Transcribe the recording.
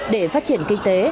để phát triển kinh tế